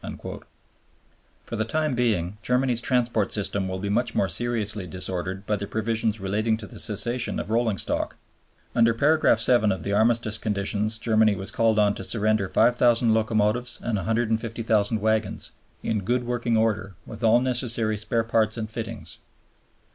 " For the time being Germany's transport system will be much more seriously disordered by the provisions relating to the cession of rolling stock. Under paragraph 7 of the Armistice conditions Germany was called on to surrender 5000 locomotives and 150,000 wagons, "in good working order, with all necessary spare parts and fittings."